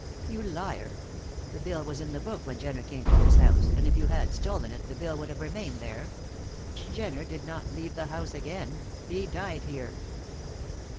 "You liar! The bill was in the book when Jenner came to this house, and if you had stolen it, the bill would have remained there. Jenner did not leave the house again; he died here."